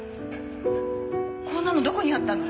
こんなのどこにあったの？